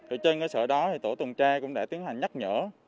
ở trên cơ sở đó tổ tuần tra cũng đã tiến hành nhắc nhở